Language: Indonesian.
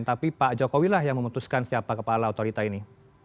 tapi pak jokowi lah yang memutuskan siapa kepala otorita ini